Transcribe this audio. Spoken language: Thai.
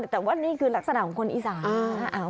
แต่ว่านี่คือลักษณะของคนอีสาน